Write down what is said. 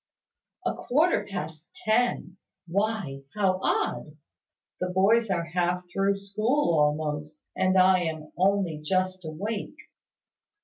"A quarter past ten! Why, how odd! The boys are half through school, almost, and I am only just awake!"